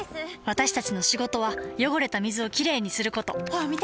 私たちの仕事は汚れた水をきれいにすることホアン見て！